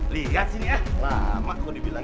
lihat sini ya lama kok dibilang